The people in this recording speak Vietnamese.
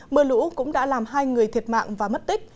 mưa lũ cũng đã làm hai người thiệt mạng và mất tích